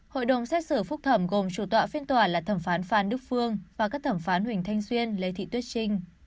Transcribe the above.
hội đồng xét xử phúc thẩm gồm chủ tọa phiên tòa là thẩm phán phan đức phương và các thẩm phán huỳnh thanh xuyên lê thị tuyết trinh